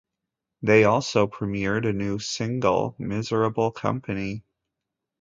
They also premiered a new single, Miserable Company.